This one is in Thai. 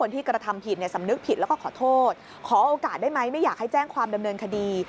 นึกผิดแล้วก็ขอโทษขอโอกาสได้ไหมไม่อยากให้แจ้งความดำเนินคดี